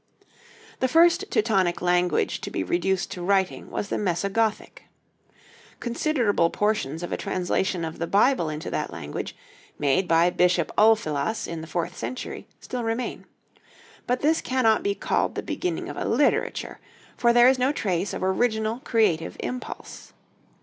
The first Teutonic language to be reduced to writing was the Moeso Gothic. Considerable portions of a translation of the Bible into that language, made by Bishop Ulfilas in the fourth century, still remain. But this cannot be called the beginning of a literature; for there is no trace of original creative impulse.